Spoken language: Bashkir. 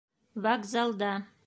Вокзалда